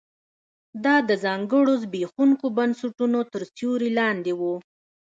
دا د ځانګړو زبېښونکو بنسټونو تر سیوري لاندې و